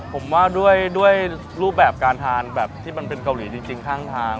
ผมว่าด้วยรูปแบบการทานแบบที่มันเป็นเกาหลีจริงข้างทาง